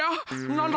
なんだ？